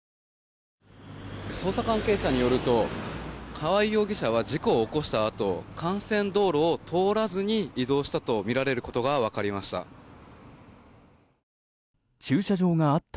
捜査関係者によると川合容疑者は事故を起こしたあと幹線道路を通らずに移動したとみられることが分かりました。